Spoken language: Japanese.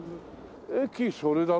駅それだろ？